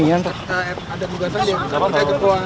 kita mau masuk dulu